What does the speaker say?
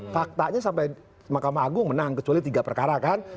faktanya sampai mahkamah agung menang kecuali tiga perkara kan